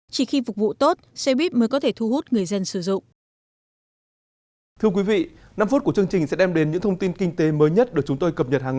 chỉ khi phục vụ tốt xe buýt mới có thể thu hút người dân sử dụng